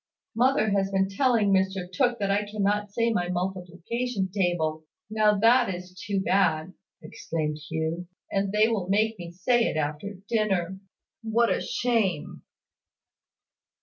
"Mother has been telling Mr Tooke that I cannot say my multiplication table! Now, that is too bad!" exclaimed Hugh. "And they will make me say it after dinner! What a shame!"